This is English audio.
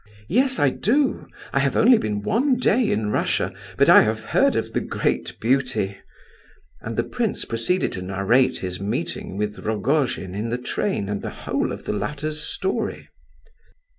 "Yes, I do! I have only been one day in Russia, but I have heard of the great beauty!" And the prince proceeded to narrate his meeting with Rogojin in the train and the whole of the latter's story.